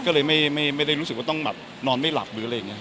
ก็เลยไม่ได้รู้สึกว่าต้องแบบนอนไม่หลับหรืออะไรอย่างนี้